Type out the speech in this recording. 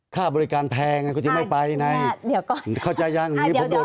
ค่าบริการแพงก็จะไม่ไปไหนเดี๋ยวก็เขาใจยังอ่าเดี๋ยวเดี๋ยว